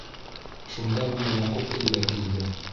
Шунда ғына Яҡуп телгә килде.